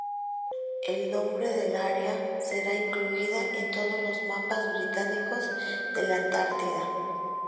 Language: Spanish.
El nombre del área será incluida en todos lo mapas británicos de la Antártida.